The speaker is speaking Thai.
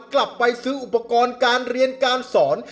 กลับไปซื้ออุปกรณ์การเรียนการสอน